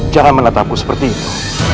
jangan menetapku seperti itu